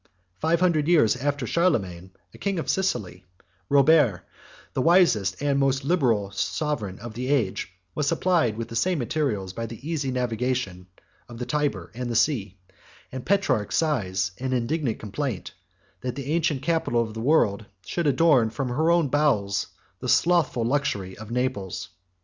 30 Five hundred years after Charlemagne, a king of Sicily, Robert, the wisest and most liberal sovereign of the age, was supplied with the same materials by the easy navigation of the Tyber and the sea; and Petrarch sighs an indignant complaint, that the ancient capital of the world should adorn from her own bowels the slothful luxury of Naples.